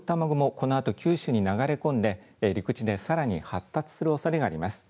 このあと九州に流れ込んで陸地でさらに発達するおそれがあります。